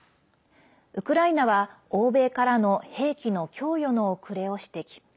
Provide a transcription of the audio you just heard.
ウクライナは、欧米からの兵器の供与の遅れを指摘。